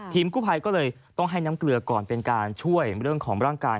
กู้ภัยก็เลยต้องให้น้ำเกลือก่อนเป็นการช่วยเรื่องของร่างกาย